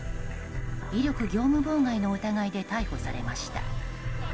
威力業務妨害の疑いで逮捕されました。